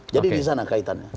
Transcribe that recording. jadi di sana kaitannya